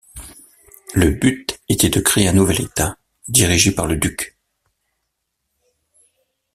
Le but était de créer un nouvel État, dirigé par le duc.